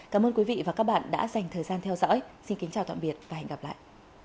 cảm ơn quý vị và các bạn đã dành thời gian theo dõi xin kính chào tạm biệt và hẹn gặp lại